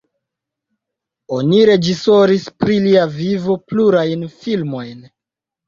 Oni reĝisoris pri lia vivo plurajn filmojn.